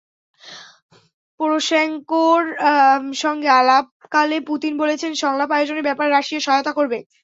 পোরোশেঙ্কোর সঙ্গে আলাপকালে পুতিন বলেছেন, সংলাপ আয়োজনের ব্যাপারে রাশিয়া সহায়তা করবে।